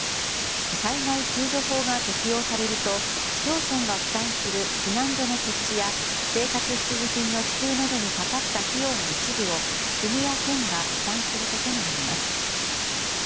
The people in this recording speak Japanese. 災害救助法が適用されると市町村が負担する避難所の設置や生活必需品の支給などにかかった費用の一部を国や県が負担することになります。